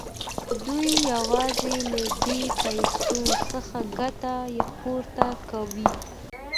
دوی یوازې له دې پیسو څخه ګټه پورته کوي